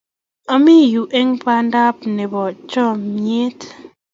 ami yu ing' banda nebo chamiet